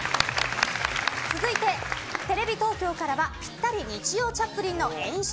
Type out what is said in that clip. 続いて、テレビ東京からはぴったりにちようチャップリンの演出